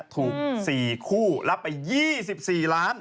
ถูก๔คู่รับไป๒๔ล้าน